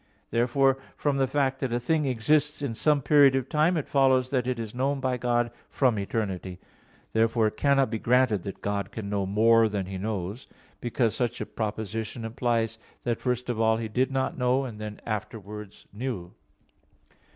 Therefore from the fact that a thing exists in some period of time, it follows that it is known by God from eternity. Therefore it cannot be granted that God can know more than He knows; because such a proposition implies that first of all He did not know, and then afterwards knew.